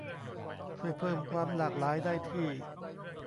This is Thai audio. ช่วยเพิ่มความหลากหลายได้ที่